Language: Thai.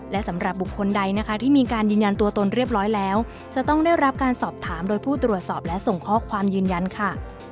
และสำหรับบุคคลใดนะคะที่มีการยืนยันตัวตนเรียบร้อยแล้วจะต้องได้รับการสอบถามโดยผู้ตรวจสอบและส่งข้อความยืนยันค่ะ